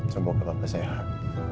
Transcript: semoga bapak sehat